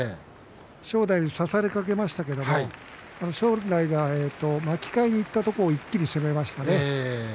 正代に差されかけましたけども正代が巻き替えにいったところを一気に攻めましたね。